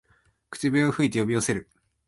口笛を吹いて呼び寄せる